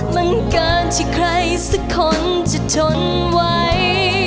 มันเกินที่ใครสักคนจะทนไว้